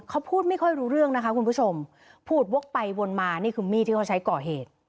เขาพูดไม่ค่อยรู้เรื่องนะคะคุณผู้ชมพูดวกไปวนมานี่คือมีดที่เขาใช้ก่อเหตุ